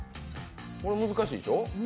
これ難しいでしょ？